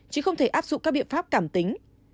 chứ không thể áp dụng các biện pháp cảm tính